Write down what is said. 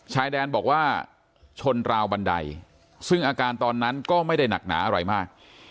ชายแดนบอกว่าชนราวบันไดซึ่งอาการตอนนั้นก็ไม่ได้หนักหนาอะไรมาก